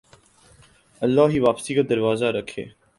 اللہ ہی واپسی کا دروازہ رکھے